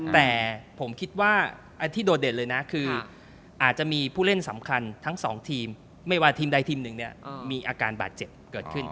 แต่ผมคิดว่าไอ้ที่โดดเด่นเลยนะคืออาจจะมีผู้เล่นสำคัญทั้งสองทีมไม่ว่าทีมใดทีมหนึ่งเนี่ยมีอาการบาดเจ็บเกิดขึ้น